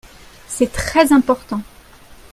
C'est très important.